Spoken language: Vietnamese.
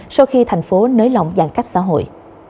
sau khi thành phố nới lỏng giãn cách xã hội